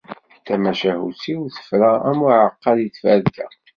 Tamacahut-iw tefra am uεeqqa di tferka.